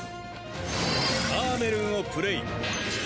ハーメルンをプレイ。